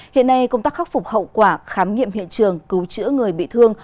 hiện nay công tác khắc phục hậu quả khám nghiệm hiện trường cứu chữa người bị thương